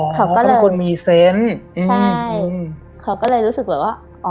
อ๋อเขาเป็นคนมีเซนต์ใช่เขาก็เลยรู้สึกแบบว่าอ๋อ